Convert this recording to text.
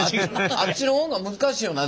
あっちの方が難しいよな。